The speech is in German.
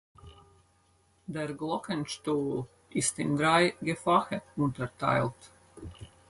Der Glockenstuhl ist in drei Gefache unterteilt.